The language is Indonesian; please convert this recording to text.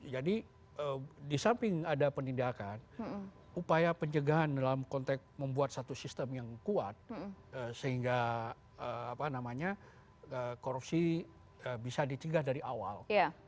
jadi disamping ada pendidikan upaya pencegahan dalam konteks membuat satu sistem yang kuat sehingga korupsi bisa ditinggah dari awal